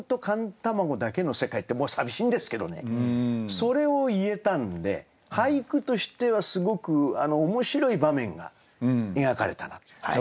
それを言えたんで俳句としてはすごく面白い場面が描かれたなという。